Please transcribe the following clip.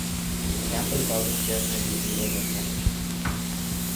Campbell called this journey of the hero the "monomyth".